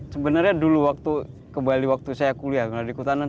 sebenarnya dulu waktu kembali waktu saya kuliah di kutanan